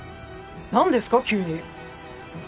なんですか急に。